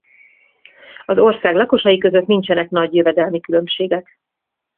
Az ország lakosai között nincsenek nagy jövedelmi különbségek.